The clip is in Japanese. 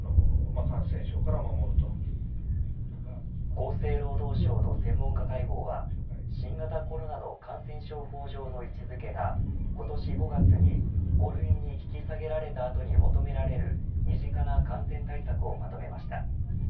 厚生労働省の専門家会合は新型コロナの感染症法上の位置づけが今年５月に、５類に引き下げられた後に求められる身近な感染対策をまとめました。